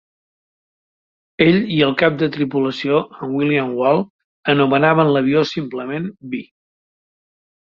Ell i el cap de tripulació, en Willard Wahl, anomenaven l'avió simplement "Bee".